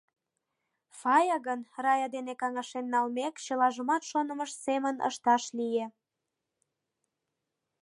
Фая гын, Рая дене каҥашен налмек, чылажымат шонымыж семын ышташ лие.